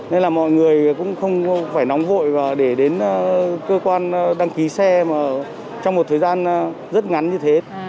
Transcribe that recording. nên là mọi người cũng không phải nóng vội và để đến cơ quan đăng ký xe mà trong một thời gian rất ngắn như thế